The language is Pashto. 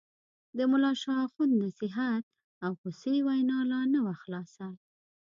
د ملا شال اخُند نصیحت او غوسې وینا لا نه وه خلاصه.